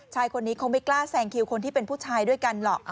ชายคนนี้เขาไม่กล้าแซงคิวคนที่เป็นผู้ชายด้วยกันหรอก